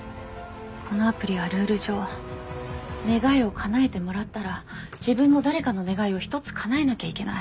このアプリはルール上願いを叶えてもらったら自分も誰かの願いを１つ叶えなきゃいけない。